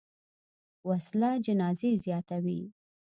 وسله جنازې زیاتوي